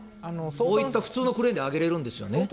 こういった普通のクレーンで上げれるんですね。